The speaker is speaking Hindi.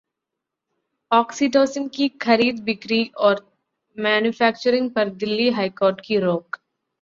ऑक्सिटोसिन की खरीद-बिक्री और मैन्युफैक्चरिंग पर दिल्ली हाइकोर्ट की रोक